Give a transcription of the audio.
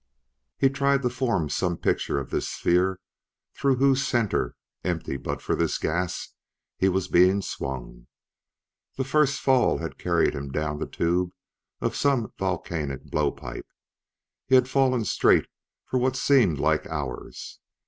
He tried to form some picture of this sphere through whose center, empty but for this gas, he was being swung. That first fall had carried him down the tube of some volcanic blow pipe; he had fallen straight for what seemed like hours.